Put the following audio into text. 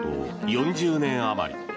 ４０年余り。